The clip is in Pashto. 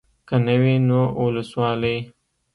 که نه وي نو اولسوالي.